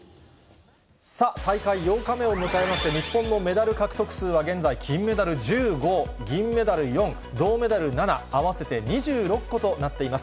さあ、大会８日目を迎えまして、日本のメダル獲得数は現在、金メダル１５、銀メダル４、銅メダル７、合わせて２６個となっています。